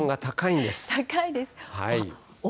高いです。